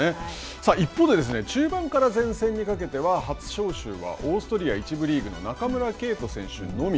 さあ、一方で、中盤から前線にかけては初招集がオーストリア１部リーグの中村敬斗選手のみ。